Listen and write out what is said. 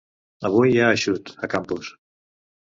Avui hi ha eixut, a Campos.